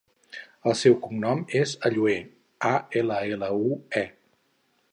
El seu cognom és Allue: a, ela, ela, u, e.